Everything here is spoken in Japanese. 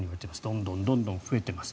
どんどん増えています。